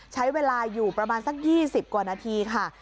ใช้เวลาอยู่ประมาณสัก๒๐กว่านาทีค่ะ